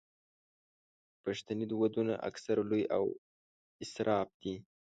پښتني ودونه اکثره لوی او اسراف دي.